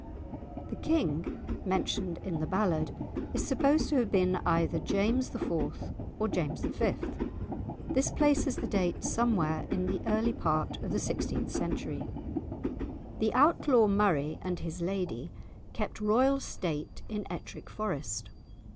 The King mentioned in the ballad is supposed to have been either James IV. or James V. This places the date somewhere in the early part of the sixteenth century. The Outlaw Murray and his lady kept royal state in Ettrick Forest.